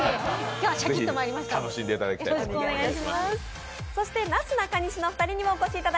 今日はシャキッとまいりました。